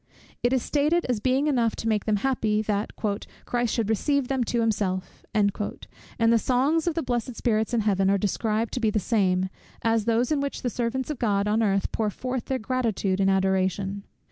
It is stated as being enough to make them happy, that "Christ should receive them to himself;" and the songs of the blessed spirits in Heaven are described to be the same, as those in which the servants of God on earth pour forth their gratitude and adoration.